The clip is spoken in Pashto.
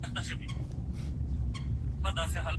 هغه د زوی د کار د پای ته رسېدو په تمه ناسته وه.